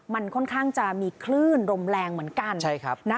มันค่อนข้างจะมีคลื่นลมแรงเหมือนกัน